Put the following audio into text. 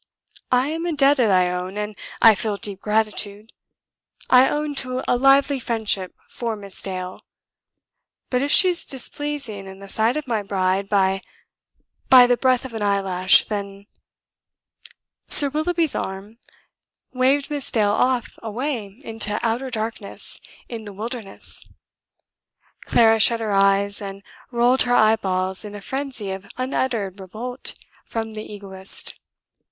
I am indebted, I own, and I feel deep gratitude; I own to a lively friendship for Miss Dale, but if she is displeasing in the sight of my bride by ... by the breadth of an eyelash, then ..." Sir Willoughby's arm waved Miss Dale off away into outer darkness in the wilderness. Clara shut her eyes and rolled her eyeballs in a frenzy of unuttered revolt from the Egoist.